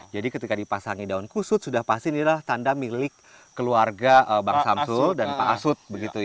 jadi ketika dipasangi daun kusut sudah pasti inilah tanda milik keluarga bang samsul dan pak asut